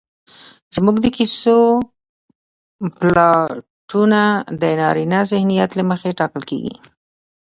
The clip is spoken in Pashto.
زموږ د کيسو پلاټونه د نارينه ذهنيت له مخې ټاکل کېږي